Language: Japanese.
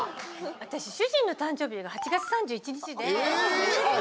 私、主人の誕生日が８月３１日で。